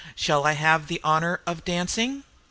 Shall I have the honor of dancing?"